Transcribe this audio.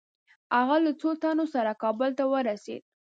هغه له څو تنو سره کابل ته ورسېد.